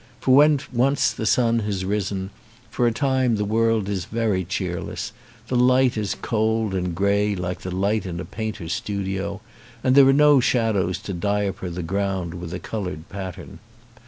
For when once the sun has risen, for a time the world is very cheerless, the light is cold and grey like the light in a painter's studio, and there are no shadows to diaper the ground with a coloured pattern.